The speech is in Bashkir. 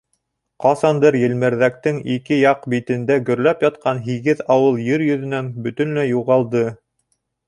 Ҡасандыр Елмерҙәктең ике яҡ битендә гөрләп ятҡан һигеҙ ауыл Ер йөҙөнән бөтөнләй юғалды.